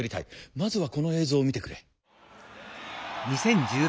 まずはこの映像を見てくれ。